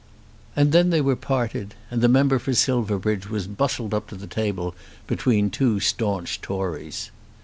And then they were parted, and the member for Silverbridge was bustled up to the table between two staunch Tories.